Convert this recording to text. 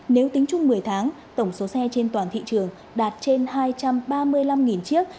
nếu tính chung một mươi tháng tổng số xe trên toàn thị trường đạt trên hai trăm ba mươi năm chiếc